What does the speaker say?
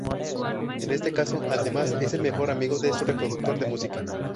En este caso, además, es el mejor amigo de su reproductor de música.